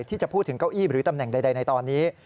ที่จะพูดถึงเก้าอี้หรือตำแหน่งใดในตอนนี้